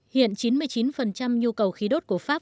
hiện chín mươi chín nhu cầu khí đốt của pháp